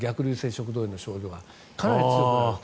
食道炎の症状がかなり強くなると。